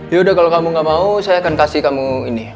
ya udah kalau kamu gak mau saya akan kasih kamu ini